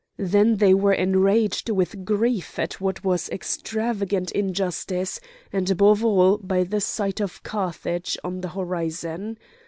Then they were enraged with grief at what was extravagant injustice, and above all by the sight of Carthage on the horizon.